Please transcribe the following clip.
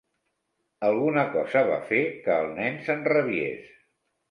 Alguna cosa va fer que el nen s'enrabiés.